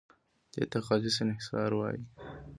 دې ته خالص انحصار هم وایي.